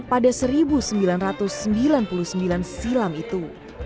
pada seribu sembilan ratus sembilan puluh sembilan silam itu